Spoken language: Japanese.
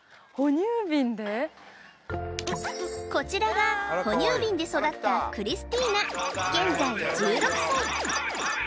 こちらが哺乳瓶で育ったクリスティーナ現在１６歳